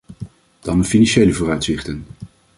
Dan de financiële vooruitzichten.